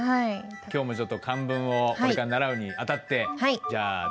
今日もちょっと漢文をこれから習うにあたってじゃあじゃあハハハハ！